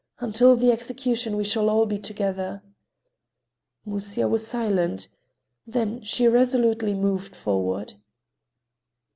"Until the execution we shall all be together." Musya was silent. Then she resolutely moved forward.